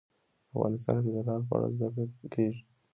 افغانستان کې د لعل په اړه زده کړه کېږي.